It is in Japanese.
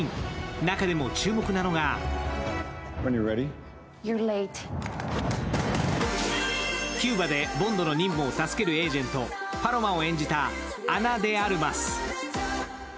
中でも注目なのがキューバでボンドの任務を助けるエージェント、パロマを演じたアナ・デ・アルマス。